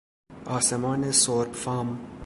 آسمان سرب فام